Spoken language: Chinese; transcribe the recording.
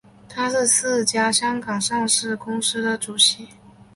他是四家香港上市公司的主席。